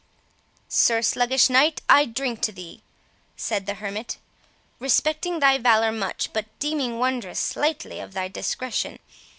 "Sir Sluggish Knight, I drink to thee," said the hermit; "respecting thy valour much, but deeming wondrous slightly of thy discretion.